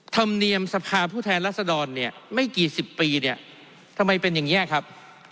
ธรรมเนียมสภาพผู้แทนรัศดรเนี่ยไม่กี่สิบปีเนี่ยทำไมเป็นอย่างนี้ครับ